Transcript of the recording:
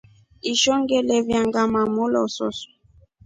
Ishoo nʼgielya mangʼande maloosu.